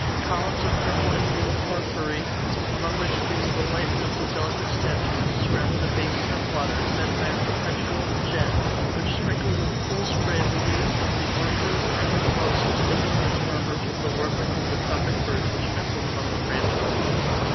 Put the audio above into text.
Columns of purple and green porphyry, among which gleamed the white limbs of delicate statues, surrounded a basin of water, fed by a perpetual jet, which sprinkled with cool spray the leaves of the oranges and mimosas, mingling its murmurs with the warblings of the tropic birds which nestled among the branches.